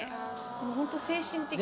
もうホント精神的な。